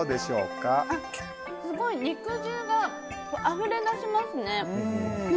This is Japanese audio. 肉汁があふれ出しますね。